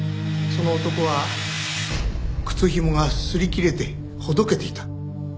その男は靴ひもが擦り切れてほどけていた。